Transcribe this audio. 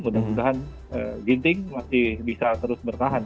tapi anthony ginting masih bisa terus bertahan